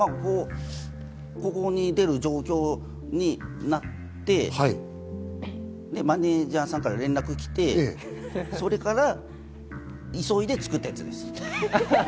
ここに出る状況になって、マネジャーさんから連絡きて、それから急いで作ったやつです。